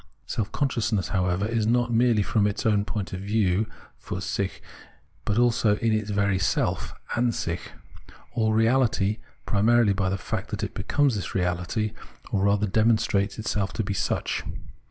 Self consciousness, however, is not merely from its own point of view {fiir sich) but also in its very self [an sich) all reahty, primarily by the fact that it becomes this reahty, or rather demonstrates itself to be such.